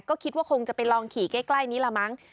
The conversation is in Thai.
ก็คิดว่าคงจะไปลองขี่ใกล้นี้ละมั้ง